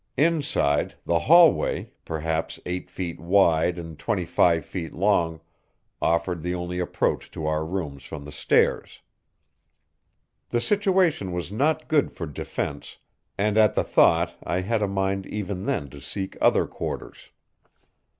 Inside, the hallway, perhaps eight feet wide and twenty five feet long, offered the only approach to our rooms from the stairs. The situation was not good for defense, and at the thought I had a mind even then to seek other quarters.